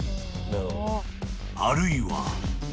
［あるいは］